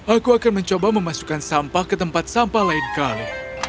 aku akan mencoba memasukkan sampah ke tempat sampah lain kali